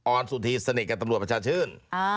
อนสุธีสนิทกับตำรวจประชาชื่น